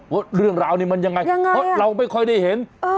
ว่าเรื่องราวนี้มันยังไงเพราะเราไม่ค่อยได้เห็น